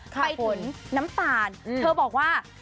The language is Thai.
ไปถึงน้ำตาลเธอบอกว่า